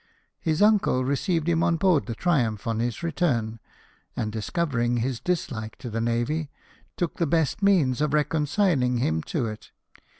His uncle received him on board the Triumph on his return, and discovering his dislike to the navy, took the best means of reconcihng him to it.